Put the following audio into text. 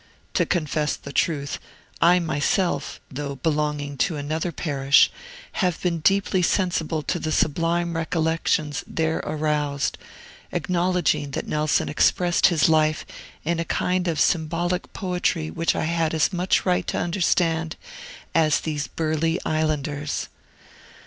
To confess the truth, I myself, though belonging to another parish, have been deeply sensible to the sublime recollections there aroused, acknowledging that Nelson expressed his life in a kind of symbolic poetry which I had as much right to understand as these burly islanders.